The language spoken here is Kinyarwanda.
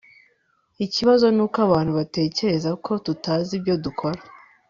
ikibazo nuko abantu batekereza ko tutazi ibyo dukora